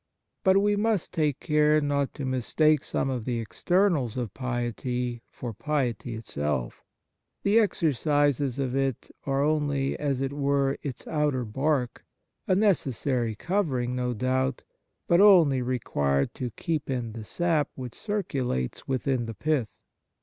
But we must take care not to mis take some of the externals of piety for piety itself. The exercises of it are only, as it were, its outer bark — a necessary covering, no doubt, but only required to keep in the sap which circulates within the pith.